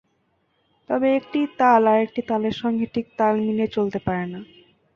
তবে একটি তাল আরেকটি তালের সঙ্গে ঠিক তাল মিলিয়ে চলতে পারে না।